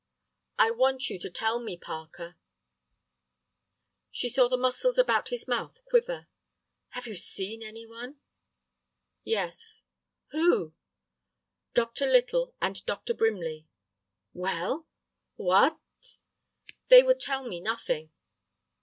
"I want you to tell me, Parker—" She saw the muscles about his mouth quiver. "Have you seen any one?" "Yes." "Who?" "Dr. Little, and Dr. Brimley." "Well? What—?" "They would tell me nothing."